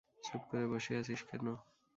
চুপ করে বসে আছিস কেন?